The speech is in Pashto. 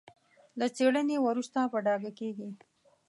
له څېړنې وروسته په ډاګه کېږي.